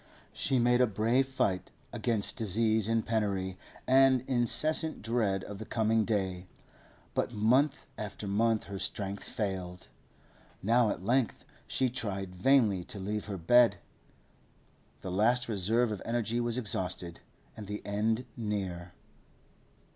She made a brave fight against disease and penury and incessant dread of the coming day, but month after month her strength failed. Now at length she tried vainly to leave her bed. The last reserve of energy was exhausted, and the end near.